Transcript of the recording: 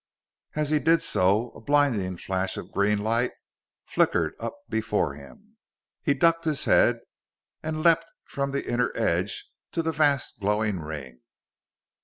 As he did so a blinding flash of green light flickered up before him. He ducked his head and leapt from the inner edge of the vast glowing ring.